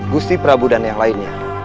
gusti prabu dan yang lainnya